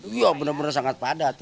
iya benar benar sangat padat